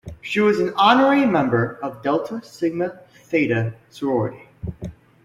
She was an honorary member of Delta Sigma Theta sorority.